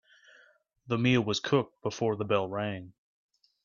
The meal was cooked before the bell rang.